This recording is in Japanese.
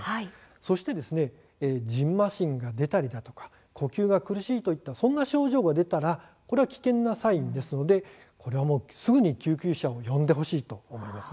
そして、じんましんが出たり呼吸が苦しいといったそんな症状が出たら危険なサインですのですぐに救急車を呼んでほしいと思います。